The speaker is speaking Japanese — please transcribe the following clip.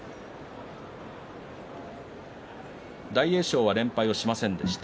大栄翔は連敗しませんでした。